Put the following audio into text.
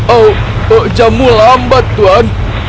oh kamu sudah lambat tuhan